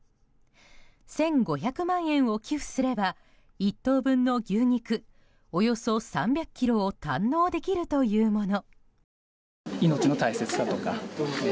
１５００万円を寄付すれば１頭分の牛肉およそ３００ｋｇを堪能できるというもの。